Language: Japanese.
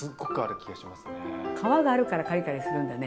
皮があるからカリカリするんだね